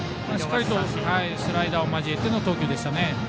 それでスライダーを交えての投球でしたね。